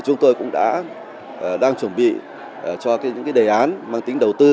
chúng tôi cũng đã đang chuẩn bị cho những đề án mang tính đầu tư